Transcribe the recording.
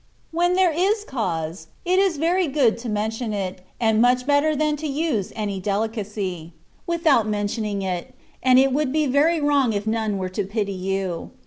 When there is cause, it is very good to mention it, and much better than to use any delicacy,* without mentioning it, and it would be very wrong if none were to pity you.